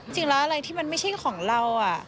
จริงแล้วอะไรที่มันไม่ใช่ของเรา